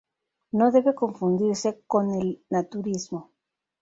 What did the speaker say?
No debe confundirse con el naturismo.